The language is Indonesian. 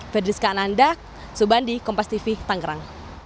ferdis kaananda subandi kompastv tangerang